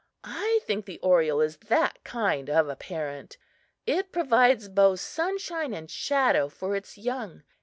I think the oriole is that kind of a parent. It provides both sunshine and shadow for its young.